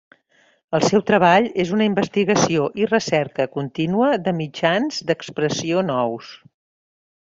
El seu treball és una investigació i recerca contínua de mitjans d'expressió nous.